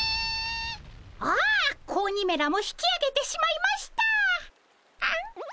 ああ子鬼めらも引きあげてしまいました。